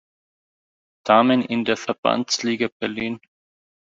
Damen in der Verbandsliga Berlin.